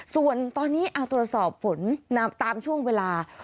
ส่วนตอนนี้เอาตรวจสอบฝนตามช่วงเวลา